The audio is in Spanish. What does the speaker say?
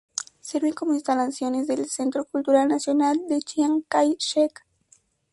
Sirven como instalaciones del "Centro cultural Nacional de Chiang Kai-shek".